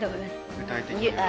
具体的には。